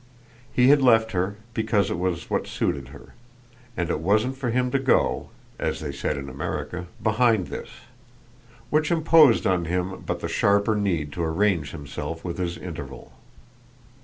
He had left her because it was what suited her, and it wasn't for him to go, as they said in America, behind this; which imposed on him but the sharper need to arrange himself with his interval.